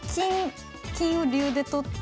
金を竜で取って。